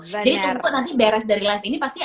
jadi tunggu nanti beres dari live ini pasti